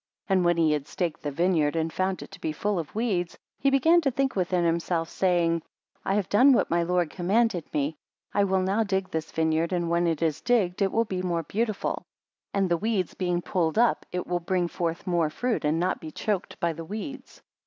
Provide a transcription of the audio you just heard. And when he had staked the vineyard, and found it to be full of weeds, he began to think within himself, saying: 12 I have done what my lord commanded me, I will now dig this vineyard, and when it is digged, it will be more beautiful; and the weeds being pulled up, it will bring forth more fruit and not be choked by the weeds.